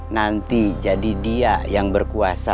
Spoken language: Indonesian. nanti jadi dia yang berkuasa